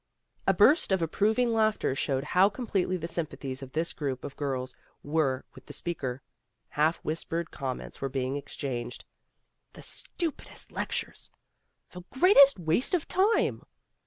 A burst of approving laughter showed how completely the sympathies of this group of girls were with the speaker. Half whispered com ments were being exchanged. "The stupidest lectures!" "The greatest waste of time!"